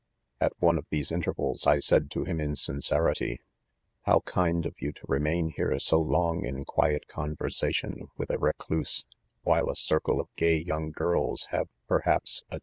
At one of these intervals. I said to him, in sincerity :'• How kind of yon to remain here so long in quiet conversation with a recluse, while a circle of gay young" girls have, perhaps, fM.